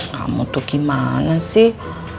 kamu tuh gimana sih